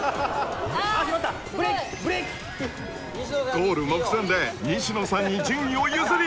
［ゴール目前で西野さんに順位を譲り］